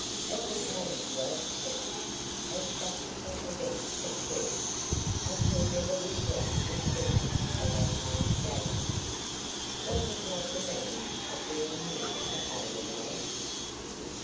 "It was money well spent, as subsequent events have proved. I shall never regret the spending of that half gavvo. Was it not the means of bringing you to Edelweiss?"